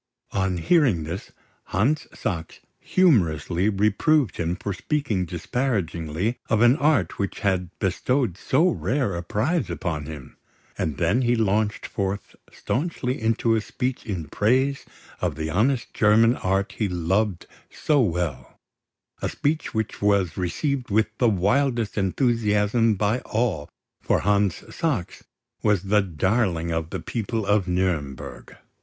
On hearing this, Hans Sachs humorously reproved him for speaking disparagingly of an art which had bestowed so rare a prize upon him; and then he launched forth staunchly into a speech in praise of the honest German art he loved so well, a speech which was received with the wildest enthusiasm by all, for Hans Sachs was the darling of the people of Nuremburg.